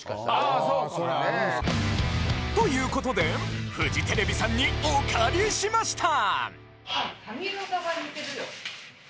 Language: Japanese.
あそうか。ということでフジテレビさんにお借りしました！